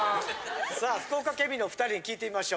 さあ福岡県民の２人に聞いてみましょう。